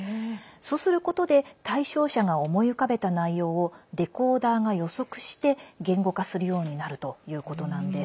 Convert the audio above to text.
そうすることで対象者が思い浮かべた内容をデコーダーが予測して言語化するようになるということなんです。